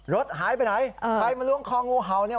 รถหายไปไหนไปมาลุ้งคองูเห่านี่